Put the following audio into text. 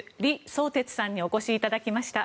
李相哲さんにお越しいただきました。